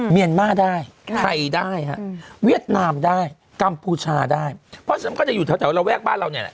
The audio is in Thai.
เมียนมาร์ได้ไทยได้ฮะเวียดนามได้กัมพูชาได้เพราะฉะนั้นก็จะอยู่แถวระแวกบ้านเราเนี่ยแหละ